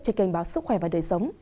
trên kênh báo sức khỏe và đời sống